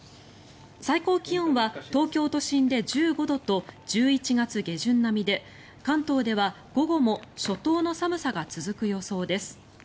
最高気温は東京都心で１５度と１１月下旬並みで関東では午後も初冬の寒さが続く予想です。